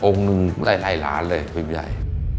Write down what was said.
องค์นึงหลายล้านเลยพิมพ์ใหญ่